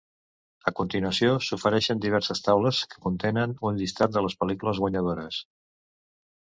A continuació s'ofereixen diverses taules que contenen un llistat de les pel·lícules guanyadores.